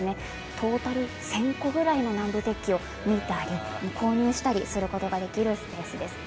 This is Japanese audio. トータル１０００個ぐらいの南部鉄器を見たり購入したりすることができるんです。